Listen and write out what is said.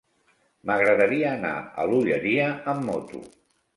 M'agradaria anar a l'Olleria amb moto.